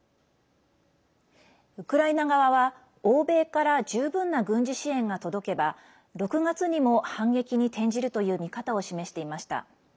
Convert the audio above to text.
ウクライナ側は欧米から十分な軍事支援が届けば６月にも反撃に転じるという見方を示していました。